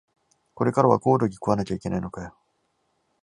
これからはコオロギ食わなきゃいけないのかよ